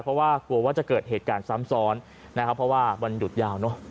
เพราะว่ากลัวว่าจะเกิดเหตุการณ์ซ้ำซ้อนนะครับเพราะว่าวันหยุดยาวเนอะ